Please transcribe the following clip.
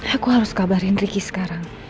aku harus kabarin ricky sekarang